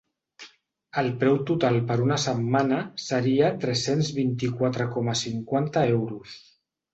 El preu total per una setmana seria tres-cents vint-i-quatre coma cinquanta euros.